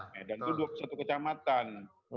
medan itu satu kecamatan